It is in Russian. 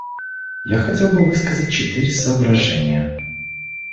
Я хотел бы высказать четыре соображения.